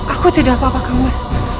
aku tidak apa apa kang mas